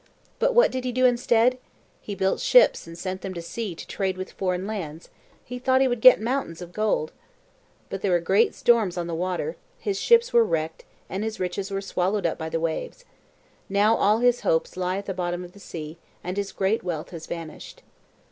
But what did he do instead? He built ships and sent them to sea to trade with foreign lands. He thought he would get mountains of gold. "But there were great storms on the water; his ships were wrecked, and his riches were swallowed up by the waves. Now all his hopes lie at the bottom of the sea, and his great wealth has vanished.